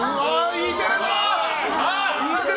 Ｅテレだ！